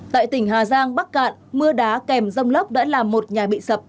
tại tỉnh hà giang bắc cạn mưa đá kèm rông lốc đã làm một nhà bị sập